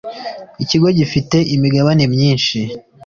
ikigo gifite imigabane myishi.